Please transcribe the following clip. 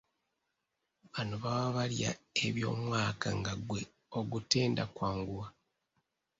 Banno baba balya eby’omwaka nga ggwe ogutenda kwanguwa.